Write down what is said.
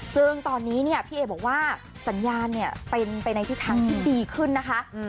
ซึ่งตอนนี้เนี่ยพี่เอบอกว่าสัญญาณเนี่ยเป็นไปในทิศทางที่ดีขึ้นนะคะ